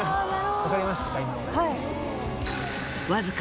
わかりましたか？